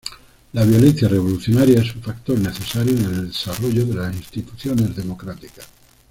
La violencia revolucionaria es un factor necesario en el desarrollo de las instituciones democráticas.